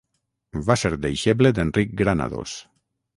Va ser deixeble d'Enric Granados.